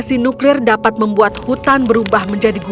mungkin dia membeli kekuatan yang lain